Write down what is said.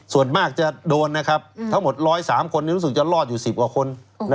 ส่วนมากจะโดนนะครับทั้งหมด๑๐๓คนรู้สึกจะรอดอยู่๑๐กว่าคน